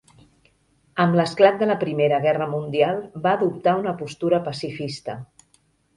Amb l'esclat de la Primera Guerra Mundial, va adoptar una postura pacifista.